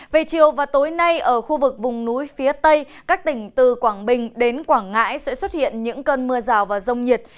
về chiều và tối nay ở khu vực vùng núi phía tây các tỉnh từ quảng bình đến quảng ngãi sẽ xuất hiện những cơn mưa rào và rông nhiệt